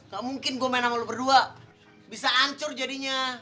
gak mungkin gue main sama lo berdua bisa hancur jadinya